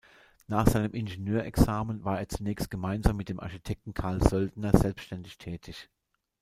Nach seinem Ingenieur-Examen war er zunächst gemeinsam mit dem Architekten Karl Söldner selbstständig tätig.